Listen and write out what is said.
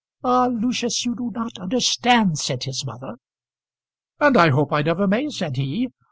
"Ah! Lucius, you do not understand," said his mother. "And I hope I never may," said he.